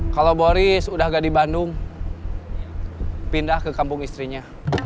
kalau boris udah gak di bandung pindah ke kampung istrinya